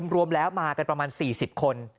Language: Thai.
รวมแล้วมากันประมาณ๔๐คน